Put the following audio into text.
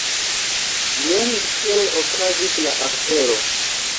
Jen kiel okazis la afero!